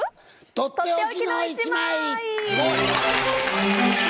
とっておきの１枚。